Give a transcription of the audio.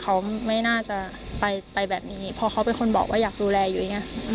เขาไม่น่าจะไปแบบนี้เพราะเขาเป็นคนบอกว่าอยากดูแลยุ้ย